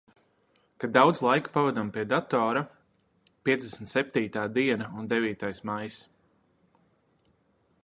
Kad daudz laika pavadām pie datora. Piecdesmit septītā diena un devītais maijs.